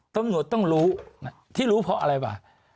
ตำรวจต้องรู้ที่รู้เพราะอะไรวะ